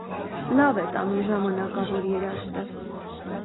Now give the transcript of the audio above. Լավ է տանում ժամանակավոր երաշտը։